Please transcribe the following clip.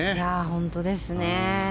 本当ですね。